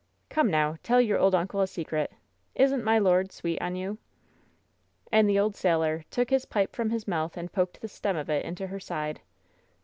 Come, now! tell you old imcle a secret: Isn't my lord sweet on you?" And the old sailor took his pipe from his mouth and poked the stem of it into her side.